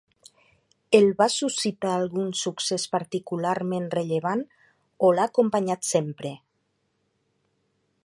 El va suscitar algun succés particularment rellevant o l’ha acompanyat sempre?